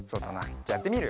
じゃあやってみるよ。